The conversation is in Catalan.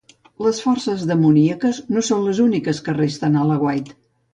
Les forces demoníaques no són les úniques que resten a l'aguait.